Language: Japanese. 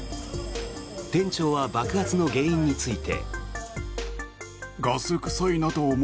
店長は爆発の原因について。